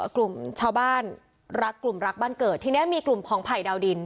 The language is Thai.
กลุ่มชาวบ้านรักกลุ่มรักบ้านเกิดทีนี้มีกลุ่มของไผ่ดาวดิน